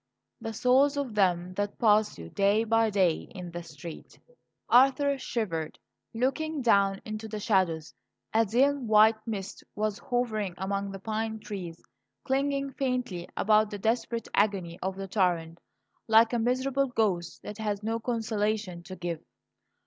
"The souls of them that pass you day by day in the street." Arthur shivered, looking down into the shadows. A dim white mist was hovering among the pine trees, clinging faintly about the desperate agony of the torrent, like a miserable ghost that had no consolation to give.